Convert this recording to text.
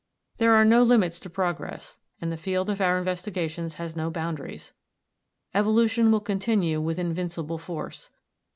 There are no limits to progress, and the field of our investigations has no boundaries. Evolution will continue with invincible force.